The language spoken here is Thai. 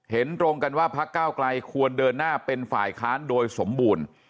เห็นตรงกันว่าพักเก้าไกลควรเดินหน้าเป็นฝ่ายค้านโดยสมบูรณ์